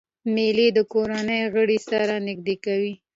مېلې د کورنۍ غړي سره نږدې کوي.